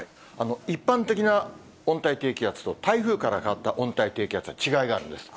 一般的な温帯低気圧と、台風から変わった温帯低気圧は、違いがあるんです。